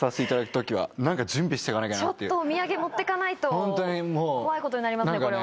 ちょっとお土産持って行かないと怖いことになりますね